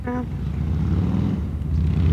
না, ম্যাম, নেই।